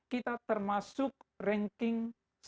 kita termasuk ranking sepuluh